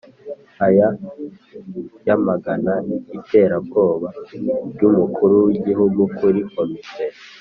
aya yamagana iterabwoba ry'umukuru w' i gihugu kuri komite»